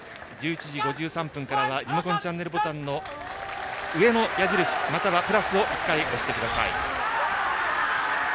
１１時５３分からはリモコンチャンネルボタンの上の矢印、またはプラスを１回押してください。